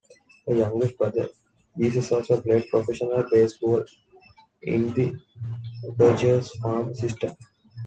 The youngest brother, Jesus also played professional baseball in the Dodgers farm system.